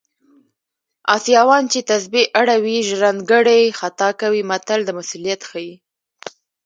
اسیاوان چې تسبې اړوي ژرندګړی خطا کوي متل د مسوولیت ښيي